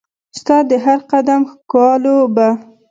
ستا د هرقدم ښکالو به